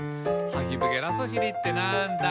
「ハヒブゲラソシリってなんだ？」